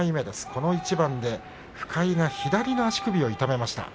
この一番で深井が左の足首を痛めました。